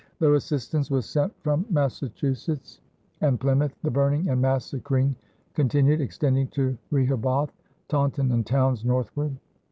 Though assistance was sent from Massachusetts and Plymouth, the burning and massacring continued, extending to Rehoboth, Taunton, and towns northward.